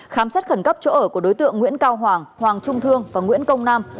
khám sát khẩn cấp chỗ ở của đối tượng nguyễn cao hoàng hoàng trung thương và nguyễn công nam